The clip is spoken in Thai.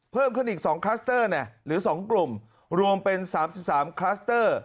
เพิ่มขึ้นอีก๒คลัสเตอร์หรือ๒กลุ่มรวมเป็น๓๓คลัสเตอร์